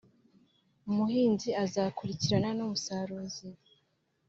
umuhinzi azakurikirana n’umusaruzi